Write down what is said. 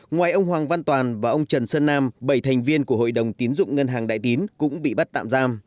ngoài ông hoàng văn toàn và ông trần sơn nam bảy thành viên của hội đồng tiến dụng ngân hàng đại tín cũng bị bắt tạm giam